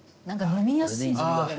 何か飲みやすい。